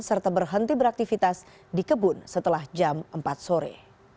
serta berhenti beraktivitas di kebun setelah jam empat sore